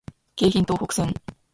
京浜東北線